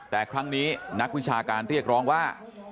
แต่ครั้งนี้นักวิชาการเรียกร้องว่า